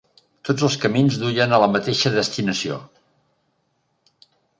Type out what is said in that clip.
Tots els camins duien a la mateixa destinació.